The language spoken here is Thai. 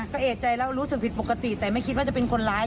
ก็เอกใจแล้วรู้สึกผิดปกติแต่ไม่คิดว่าจะเป็นคนร้าย